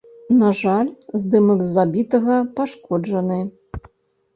На жаль, здымак забітага пашкоджаны.